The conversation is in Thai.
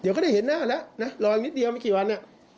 เดี๋ยวก็ได้เห็นหน้าแล้วนะรออีกนิดเดียวไม่กี่วัน